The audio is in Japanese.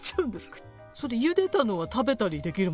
それゆでたのは食べたりできるものなんですか？